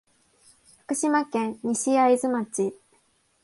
福島県西会津町